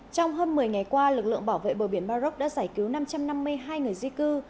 trong hơn một mươi ngày qua lực lượng bảo vệ bờ biển maroc đã giải cứu năm trăm năm mươi hai người di cư